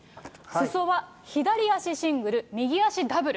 すそは左足シングル、右足ダブル。